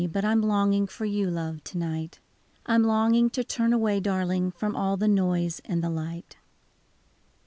But I 'm longing for you, love, to night ; I 'm longing to turn away, darling, From all the noise and the light.